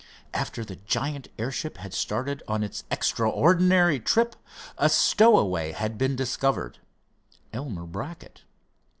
After the giant airship had started on its extraordinary trip, a stowaway had been discovered—Elmer Brackett.